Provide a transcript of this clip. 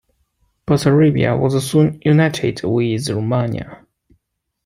Bessarabia was soon united with Romania.